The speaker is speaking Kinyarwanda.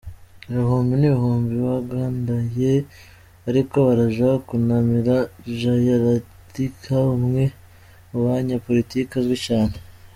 Ibihumbi n'ibihumbi bagandaye bariko baraja kunamira J Jayalalitha, umwe mubanye politike azwi cane.